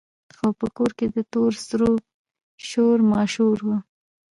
خو په کور کې د تور سرو شور ماشور وو.